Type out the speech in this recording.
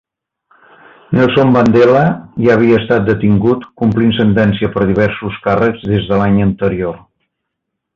Nelson Mandela ja havia estat detingut, complint sentència per diversos càrrecs, des de l'any anterior.